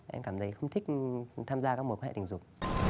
em cảm thấy không thích tham gia các mối quan hệ tình dục